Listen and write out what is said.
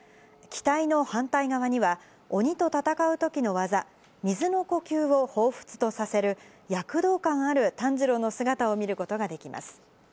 機体の反対側には、鬼と戦うときの技、水の呼吸をほうふつとさせる、躍動感ある炭治郎の姿を見ることができます。